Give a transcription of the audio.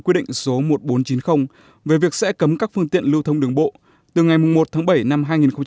quy định số một nghìn bốn trăm chín mươi về việc sẽ cấm các phương tiện lưu thông đường bộ từ ngày một tháng bảy năm hai nghìn hai mươi